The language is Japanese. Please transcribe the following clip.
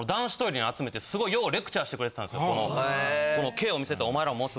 毛を見せて。